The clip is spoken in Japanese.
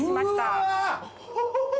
・うわ！